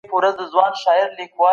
د پاسپورټ اخیستل اسانه سوي وو.